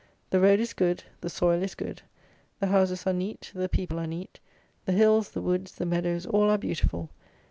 The road is good; the soil is good; the houses are neat; the people are neat: the hills, the woods, the meadows, all are beautiful.